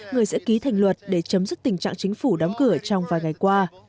người sẽ ký thành luật để chấm dứt tình trạng chính phủ đóng cửa trong vài ngày qua